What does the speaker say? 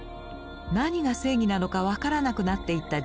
何が正義なのか分からなくなっていった時代。